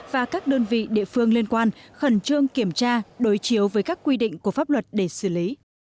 và các đơn vị địa phương liên quan khẩn trương kiểm tra đối chiếu với các quy định của pháp luật để xử lý